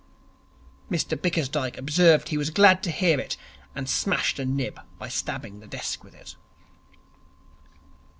Mr Bickersdyke observed he was glad to hear it, and smashed a nib by stabbing the desk with it.